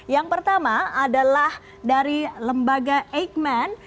yang pertama adalah dari lembaga eijkman